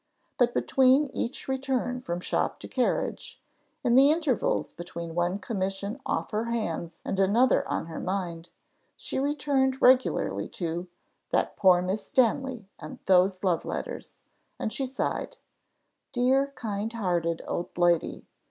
But between each return from shop to carriage, in the intervals between one commission off her hands and another on her mind, she returned regularly to "that poor Miss Stanley, and those love letters!" and she sighed. Dear kind hearted old lady!